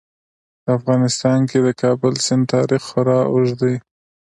په افغانستان کې د کابل سیند تاریخ خورا اوږد دی.